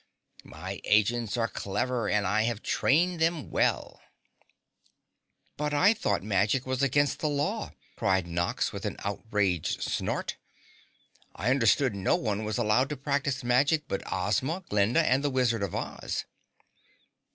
My agents are clever and I have trained them well." "But I thought magic was against the law!" cried Nox with an outraged snort. "I understood no one was allowed to practice magic but Ozma, Glinda and the Wizard of Oz!"